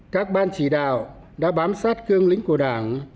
các ban chỉ đạo đã bám sát cương lĩnh của đảng